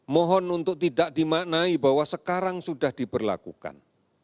mohon untuk tidak dimaknai bahwa sekarang sudah diberlakukan